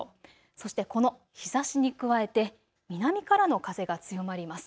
そしてこの日ざしに加えて南からの風が強まります。